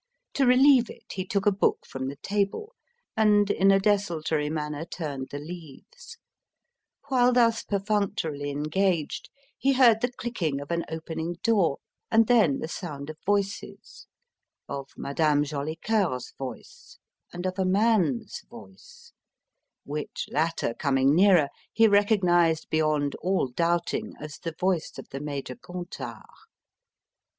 To relieve it, he took a book from the table, and in a desultory manner turned the leaves. While thus perfunctorily engaged, he heard the clicking of an opening door, and then the sound of voices: of Madame Jolicoeur's voice, and of a man's voice which latter, coming nearer, he recognized beyond all doubting as the voice of the Major Gontard.